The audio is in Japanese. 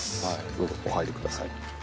どうぞお入りください。